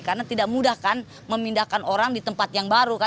karena tidak mudah kan memindahkan orang di tempat yang baru